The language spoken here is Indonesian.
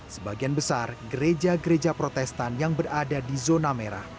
sebagian besar gereja gereja protestan yang berada di zona merah